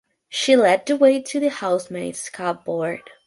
She led the way to the housemaid's cupboard.